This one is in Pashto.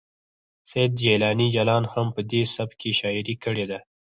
سید جیلاني جلان هم په دې سبک کې شاعري کړې ده